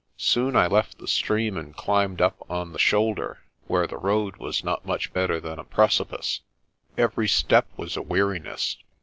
Soon I left the stream and climbed up on the shoulder, where the road was not much better than a precipice. Every step was a weariness.